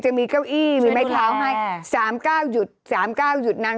ใช่บริษัททัวร์หลายคน